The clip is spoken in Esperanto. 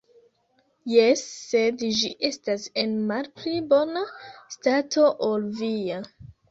Jes, sed ĝi estas en malpli bona stato ol via.